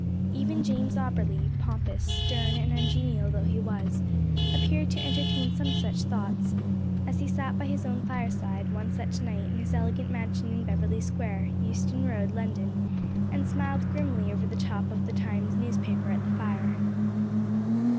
Even James Auberly, pompous, stern, and ungenial though he was, appeared to entertain some such thoughts, as he sat by his own fireside, one such night, in his elegant mansion in Beverly Square, Euston Road, London; and smiled grimly over the top of the Times newspaper at the fire.